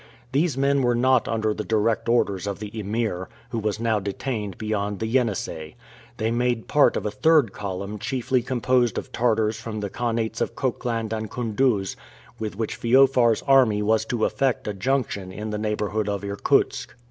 These men were not under the direct orders of the Emir, who was now detained beyond the Yenisei. They made part of a third column chiefly composed of Tartars from the khanats of Khokland and Koondooz, with which Feofar's army was to affect a junction in the neighborhood of Irkutsk.